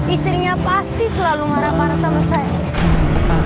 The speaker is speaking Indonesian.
istrinya pasti selalu marah marah sama saya